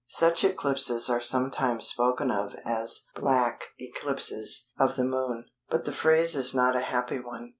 Such eclipses are sometimes spoken of as "black" eclipses of the Moon, but the phrase is not a happy one.